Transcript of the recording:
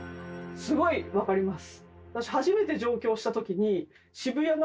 すごい分かります。